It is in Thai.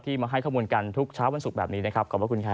ที่มาให้ข้อมูลกันทุกเช้าวันสุขแบบนี้นะครับ